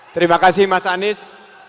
terima kasih mas anies